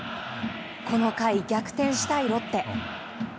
この回、逆転したいロッテ。